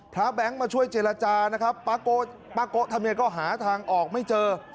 แบงค์มาช่วยเจรจานะครับป้าโกะทำยังไงก็หาทางออกไม่เจอ